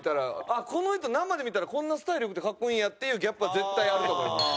あっこの人生で見たらこんなスタイル良くてかっこいいんやっていうギャップは絶対あると思います。